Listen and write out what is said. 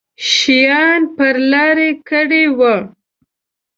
شیان پر لار کړي وو.